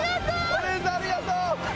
お姉さんありがとう！